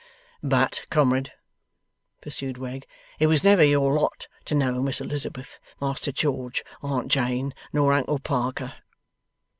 'But comrade,' pursued Wegg, 'it was never your lot to know Miss Elizabeth, Master George, Aunt Jane, nor Uncle Parker.